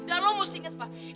dan lu mesti inget fah